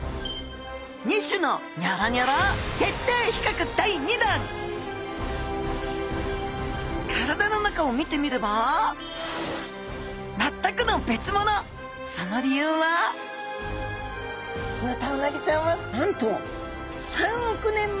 ２種のニョロニョロ体の中を見てみればその理由はヌタウナギちゃんはなんと３億年前！